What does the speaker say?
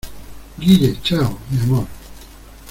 ¡ guille! chao, mi amor.